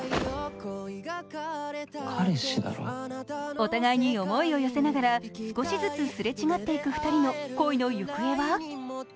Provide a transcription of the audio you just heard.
お互いに思いを寄せながら少しずつすれ違っていく２人の恋の行方は？